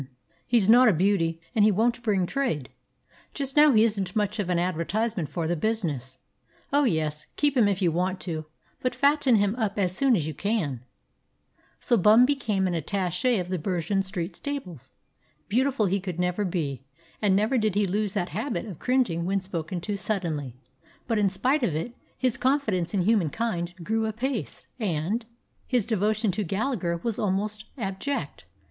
He's not a beauty, and he won't bring trade. Just now he isn't much of an advertisement for the business. Oh, yes, keep him if you want to, but fatten him up as soon as you can." So Bum became an attache of the Bergen Street Stables. Beautiful he could never be, and never did he lose that habit of cringing when spoken to suddenly, but in spite of it, his confidence in humankind grew apace, and his devotion to Gallagher was almost abject.